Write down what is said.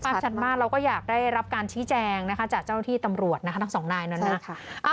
ชัดมากเราก็อยากได้รับการชี้แจงนะคะจากเจ้าที่ตำรวจนะคะทั้งสองนายนั้นนะ